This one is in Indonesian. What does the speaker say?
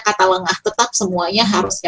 kata lengah tetap semuanya harus